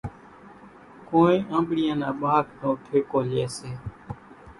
ڪونئين آنٻڙِيان نا ٻاگھ نو ٺيڪو ليئيَ سي۔